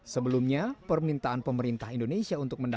sebelumnya permintaan pemerintah indonesia untuk mendapatkan